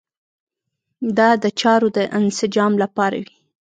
دا د چارو د انسجام لپاره وي.